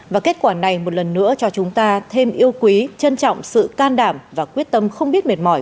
và kết quả này một lần nữa cho chúng ta thêm yêu quý trân trọng sự can đảm và quyết tâm không biết mệt mỏi